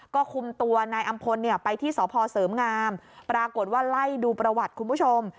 ก็คุมตัวนายอำพลไปที่สพเสริมงามปรากฏว่าไล่ดูประวัติคุณผู้ชม